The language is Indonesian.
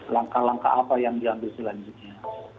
langkah langkah apa yang diambil selanjutnya